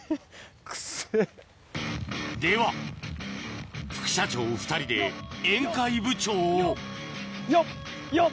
では副社長２人で宴会部長をよっよっ！